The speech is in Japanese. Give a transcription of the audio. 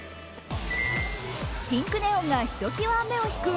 ピンクネオンがひときわ目を引く